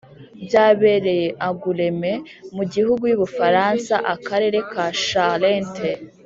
byabereye angoulême, mu gihugu y'u bufaransa, akarere ka charente,